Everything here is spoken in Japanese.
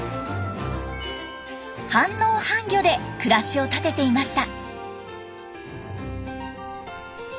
半農半漁で暮らしを立てていました。